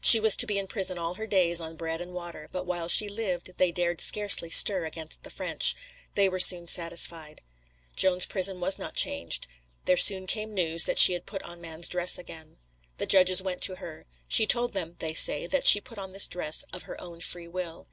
She was to be in prison all her days, on bread and water, but while she lived they dared scarcely stir against the French. They were soon satisfied. Joan's prison was not changed. There soon came news that she had put on man's dress again. The judges went to her. She told them (they say) that she put on this dress of her own free will.